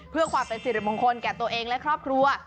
เพื่อความเป็นสิริมงคลแก่ตัวเองและครอบครัว